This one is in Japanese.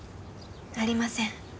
ありません。